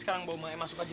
sekarang bawa mae masuk aja